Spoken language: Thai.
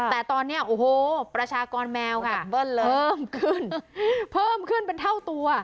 แต่ตอนนี้โอ้โหประชากรแมวค่ะเพิ่มขึ้นเป็นเท่าตัว